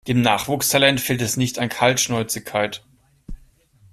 Dem Nachwuchstalent fehlt es nicht an Kaltschnäuzigkeit.